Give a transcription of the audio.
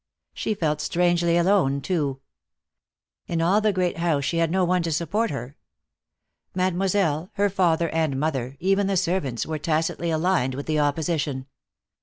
She felt strangely alone, too. In all the great house she had no one to support her. Mademoiselle, her father and mother, even the servants, were tacitly aligned with the opposition.